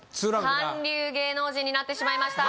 三流芸能人になってしまいました